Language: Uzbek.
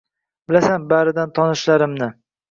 Bilasan baridan tonishlarimni